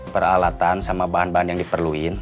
peralatan sama bahan bahan yang diperlukan